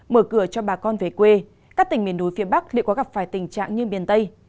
mở cửa cho bà con về quê các tỉnh miền núi phía bắc liệu có gặp phải tình trạng như miền tây